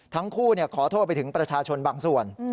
ทั้งคู่ขอโทษไปถึงประชาชนบางส่วน